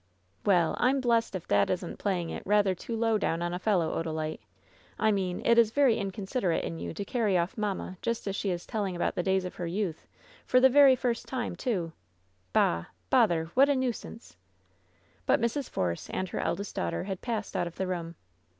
"Well, I'm blest if that isn't playing it rather too low down on a fellow, Odalite — ^I mean it is very inconsid erate in you to carry off mamma just as she is telling about the days of her youth, for the very first time, too ! Bah ! bother 1 what a nuisance 1" But Mrs. Porce and her eldest daughter had passed out of the room.